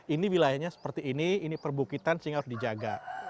ini wilayahnya seperti ini ini perbukitan sehingga harus dijaga